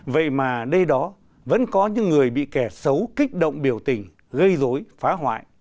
vậy mà đây đó vẫn có những người bị kẻ xấu kích động biểu tình gây dối phá hoại